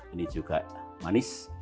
ini juga manis